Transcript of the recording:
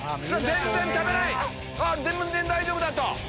「全然大丈夫だ」と。